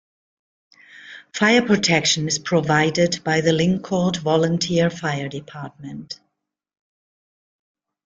Fire protection is provided by the Lyncourt Volunteer Fire Department.